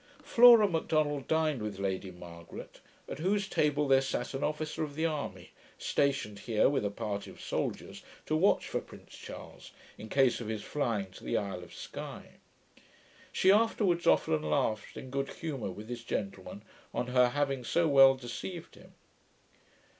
Flora Macdonald dined with Lady Margaret, at whose table there sat an officer of the army, stationed here with a party of soldiers, to watch for Prince Charles in case of his flying to the isle of Sky. She afterwards often laughed in good humour with this gentleman, on her having so well deceived him.